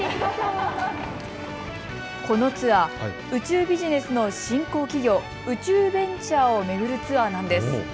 このツアー、宇宙ビジネスの新興企業、宇宙ベンチャーを巡るツアーなんです。